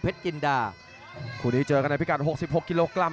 เพชรดำไม่ขึ้นชื่ออยู่แล้วนะครับองค์ในโอ้โหจังหวัดสวดสอบ